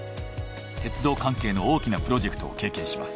鉄道関係の大きなプロジェクトを経験します。